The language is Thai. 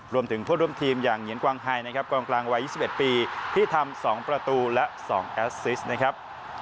รวมถึงผู้ร่วมทีมอย่างเหงียนกวางไฮนะครับกองกลางวัย๒๑ปีที่ทำ๒ประตูและ๒แอสซิสนะครับ